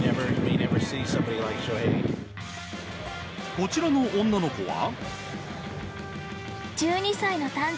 こちらの女の子は。